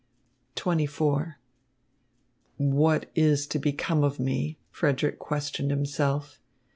XXIV "What is to become of me?" Frederick questioned himself.